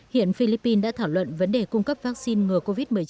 hiện philippines đã thảo luận vấn đề cung cấp vaccine ngừa covid một mươi chín